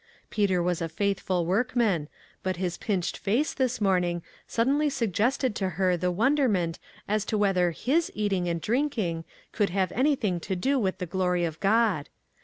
Peter was a faithful work man, but his pinched face this morning sud denly suggested to her the wonderment as to whether his eating and drinking could have anything to do with the glory of God.